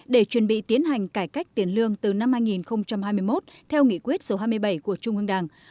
để chuẩn bị tiến hành cải cách tiền lương từ năm hai nghìn hai mươi một theo nghị quyết số hai mươi bảy của trung ương đảng